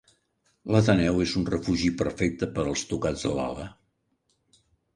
L'Ateneu és un refugi perfecte per als tocats de l'ala.